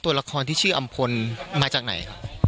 ตัวละครที่ชื่ออำพลมาจากไหนครับ